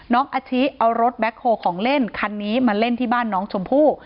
อาชิเอารถแบ็คโฮลของเล่นคันนี้มาเล่นที่บ้านน้องชมพู่